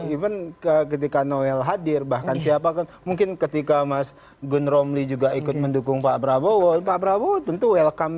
even ketika noel hadir bahkan siapa kan mungkin ketika mas gun romli juga ikut mendukung pak prabowo pak prabowo tentu welcome